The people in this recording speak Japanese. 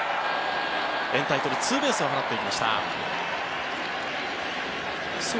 エンタイトルツーベースを放っていきました。